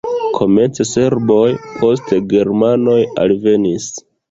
Komence serboj, poste germanoj alvenis.